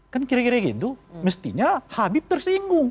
kan kira kira gitu mestinya habib tersinggung